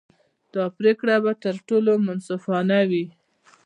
دا پرېکړه به تر ټولو منصفانه وي.